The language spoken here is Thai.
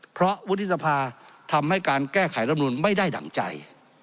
เพราะวุฒิสภาทำให้การแก้ไขรำนูนไม่ได้ดั่งใจ